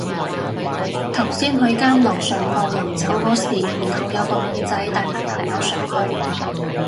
頭先去間樓上鋪，臨走嗰時門口有個女仔帶埋男友上去